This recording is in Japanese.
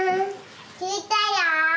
着いたよ。